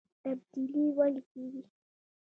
تبدیلي ولې کیږي؟